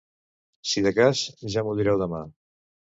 Si de cas, ja m'ho direu demà.